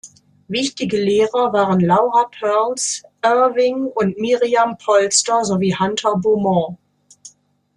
Wichtige Lehrer waren Laura Perls, Erving und Miriam Polster, sowie Hunter Beaumont.